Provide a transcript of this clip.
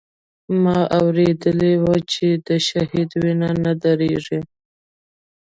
ما اورېدلي و چې د شهيد وينه نه درېږي.